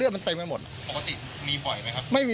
คือเสียคือเสียเอง